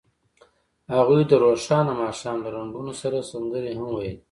هغوی د روښانه ماښام له رنګونو سره سندرې هم ویلې.